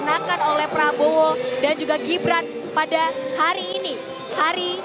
yang akan oleh prabowo dan juga gibran pada hari ini hari